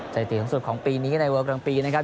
สุดสูดสูงสุดของปีนี้ในเวอร์แปรงตีนะครับ